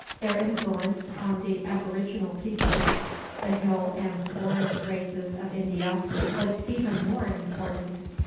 Their influence on the aboriginal peoples, the hill and forest races of India, was even more important.